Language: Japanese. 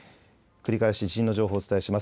繰り返し地震の情報をお伝えします。